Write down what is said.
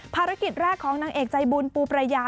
ภารกิจแรกของนางเอกใจบุญปูประยา